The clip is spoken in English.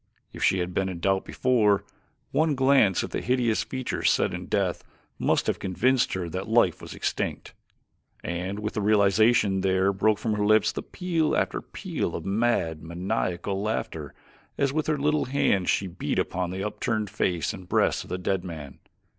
If she had been in doubt before, one glance at the hideous features set in death must have convinced her that life was extinct, and with the realization there broke from her lips peal after peal of mad, maniacal laughter as with her little hands she beat upon the upturned face and breast of the dead man.